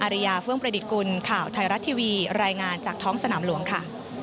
ริยาเฟื่องประดิษฐกุลข่าวไทยรัฐทีวีรายงานจากท้องสนามหลวงค่ะ